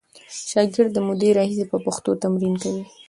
شاګرد له مودې راهیسې په پښتو تمرین کوي.